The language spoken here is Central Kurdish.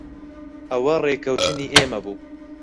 ئەوە ڕێککەوتنی ئێمە بوو.